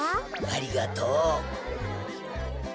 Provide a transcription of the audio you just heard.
ありがとう。